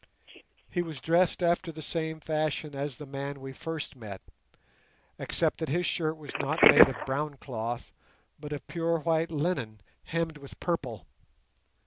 He was dressed after the same fashion as the man we first met, except that his shirt was not made of brown cloth, but of pure white linen hemmed with purple.